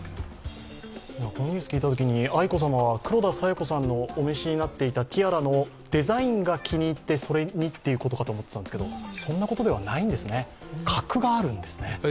このニュースを聞いたときに、愛子さまは黒田清子さんのお召しになっていたティアラのデザインが気に入って、それにということかと思っていたんですが、そんなことではないんですね、格があるんですね。